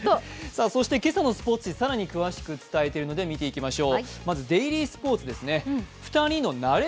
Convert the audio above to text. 今朝のスポーツ紙、更に詳しく伝えているので見ていきましょう。